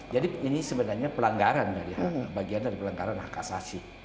jadi ini sebenarnya pelanggaran bagian dari pelanggaran hak asasi